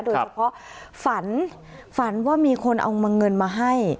โดยเฉพาะฝันว่ามีคนเอามังเงินมาให้